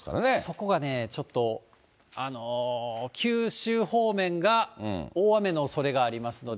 そこがね、ちょっと九州方面が大雨のおそれがありますので。